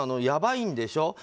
やばいんでしょ。